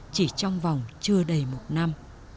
chỉ trong vòng chưa đầy một năm